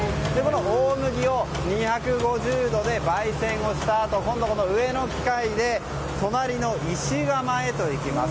大麦を２５０度で焙煎をしたあと今度、上の機械で隣の石窯へと行きます。